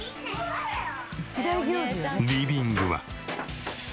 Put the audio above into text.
リビングは。